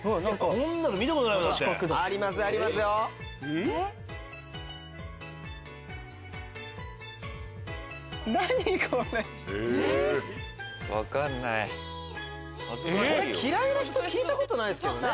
これ嫌いな人聞いたことないですけどね。